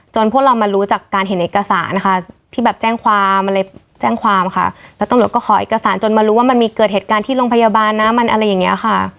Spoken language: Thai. พวกเรามารู้จากการเห็นเอกสารค่ะที่แบบแจ้งความอะไรแจ้งความค่ะแล้วตำรวจก็ขอเอกสารจนมารู้ว่ามันมีเกิดเหตุการณ์ที่โรงพยาบาลนะมันอะไรอย่างเงี้ยค่ะ